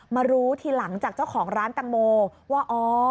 มารู้ทีหลังจากเจ้าของร้านแตงโมว่าอ๋อ